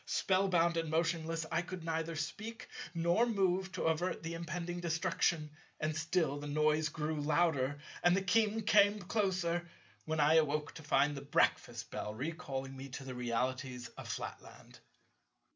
Spell bound and motionless, I could neither speak nor move to avert the impending destruction; and still the noise grew louder, and the King came closer, when I awoke to find the breakfast bell recalling me to the realities of Flatland.